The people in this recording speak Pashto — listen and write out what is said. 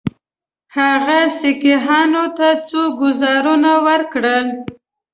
هغه سیکهانو ته څو ګوزارونه ورکړل.